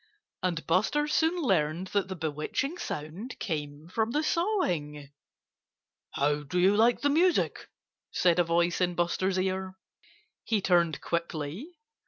And Buster soon learned that the bewitching sound came from the sawing. "How do you like the music?" said a voice in Buster's ear. He turned quickly.